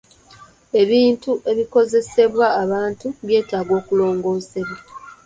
Ebintu ebikozesebwa abantu byetaaga okulongoosebwa.